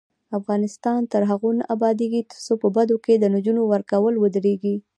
افغانستان تر هغو نه ابادیږي، ترڅو په بدو کې د نجونو ورکول ودریږي.